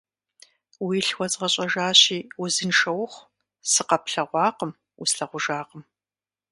Уилъ уэзгъэщӀэжащи, узыншэ ухъу, сыкъэплъэгъуакъым, услъэгъужакъым.